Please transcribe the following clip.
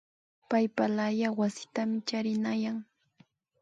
Paypalaya wasitami charinayan